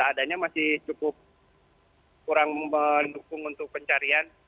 adanya masih cukup kurang mendukung untuk pencarian